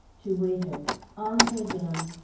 (To Waiter) "Entrez done!